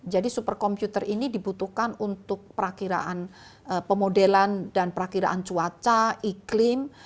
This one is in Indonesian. jadi super komputer ini dibutuhkan untuk perakhiran pemodelan dan perakhiran cuaca iklim